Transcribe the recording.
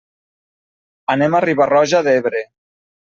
Anem a Riba-roja d'Ebre.